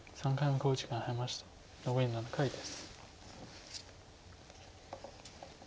残り７回です。